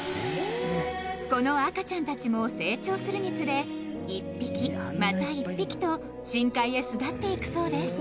この赤ちゃんたちも成長するにつれ１匹また１匹と深海へ巣立っていくそうです